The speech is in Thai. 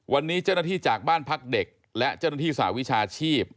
วันนี้เจ้าหน้าที่จากบ้านพักเด็กและเจ้าหน้าที่สหวิชาชีพ